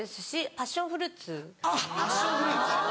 パッションフルーツ。